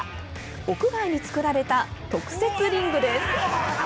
屋外に作られた特設リングです。